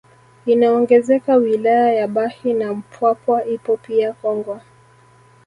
Inaongezeka wilaya ya Bahi na Mpwapwa ipo pia Kongwa